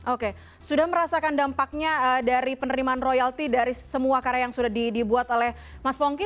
oke sudah merasakan dampaknya dari penerimaan royalti dari semua karya yang sudah dibuat oleh mas pongki